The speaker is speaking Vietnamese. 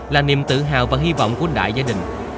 là niềm tự hào và hy vọng của đại gia đình